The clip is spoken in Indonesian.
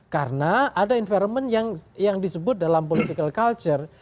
karena ada environment yang disebut dalam political culture